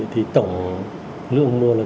thì tổ lượng mưa